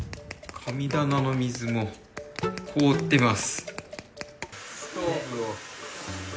神棚の水も、凍っています。